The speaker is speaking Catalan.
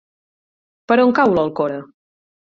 Per on cau l'Alcora?